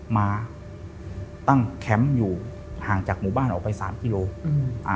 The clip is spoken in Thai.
มาตั้งแคมป์อยู่ห่างจากหมู่บ้านออกไปสามกิโลอืมอ่า